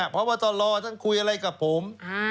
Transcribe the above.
พบตรท่านคุยอะไรกับผม